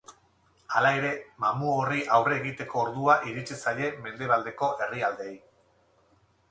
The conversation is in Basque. Hala ere, mamu horri aurre egiteko ordua iritsi zaie mendebaldeko herrialdeei.